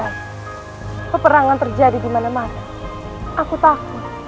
aku tengok hour